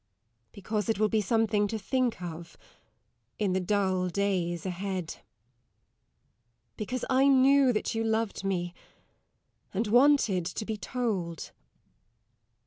Because it will be something to think of, in the dull days ahead. Because I knew that you loved me, and wanted to be told.